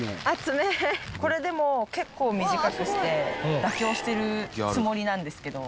これでも結構短くして妥協してるつもりなんですけど。